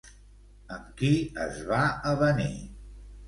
Amb qui es va avenir?